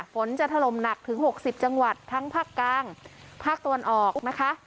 ฝนจะถล่มหนักถึง๖๐จังหวัดทั้งภาคกลางภาคตะวันออกนะคะ